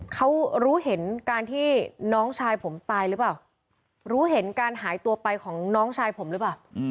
เขารู้เห็นการที่น้องชายผมตายหรือเปล่ารู้เห็นการหายตัวไปของน้องชายผมหรือเปล่า